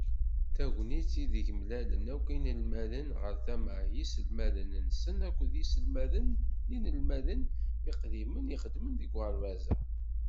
D tagnit ideg mlalen akk yinelmaden ɣer tama n yiselmaden-nsen akked yiselmaden d yinemhalen iqdimen ixedmen deg uɣerbaz-a.